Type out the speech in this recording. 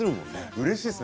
うれしいですね